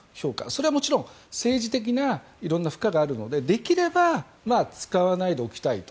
それはもちろん政治的な色んな負荷があるのでできれば使わないでおきたいと。